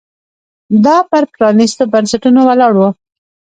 دا پر پرانېستو بنسټونو ولاړ و